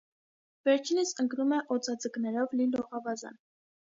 Վերջինս ընկնում է օձաձկներով լի լողավազան։